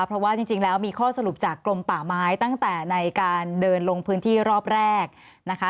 เพราะว่าจริงแล้วมีข้อสรุปจากกรมป่าไม้ตั้งแต่ในการเดินลงพื้นที่รอบแรกนะคะ